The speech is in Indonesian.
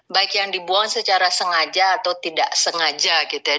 baik yang dibuang secara sengaja atau tidak sengaja gitu ya